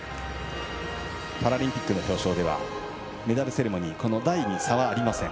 パラリンピックの表彰ではメダルセレモニー台に差はありません。